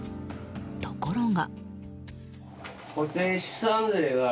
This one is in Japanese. ところが。